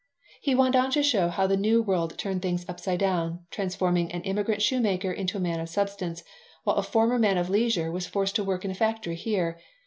He went on to show how the New World turned things upside down, transforming an immigrant shoemaker into a man of substance, while a former man of leisure was forced to work in a factory here.